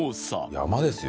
山ですよ。